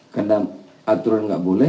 karena aturan gak boleh